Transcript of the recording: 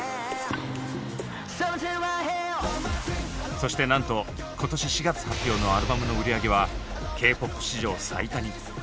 そしてなんと今年４月発表のアルバムの売り上げはＫ−ＰＯＰ史上最多に。